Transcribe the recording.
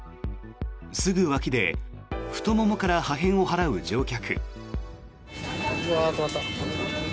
すぐ脇で太ももから破片を払う乗客。